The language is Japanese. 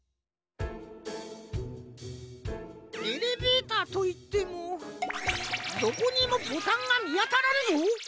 エレベーターといってもどこにもボタンがみあたらんぞ。